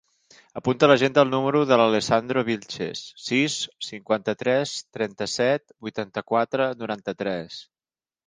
Apunta a l'agenda el número de l'Alessandro Vilches: sis, cinquanta-tres, trenta-set, vuitanta-quatre, noranta-tres.